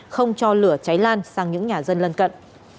không cho lửa cháy lan sang những nhà dân lân cận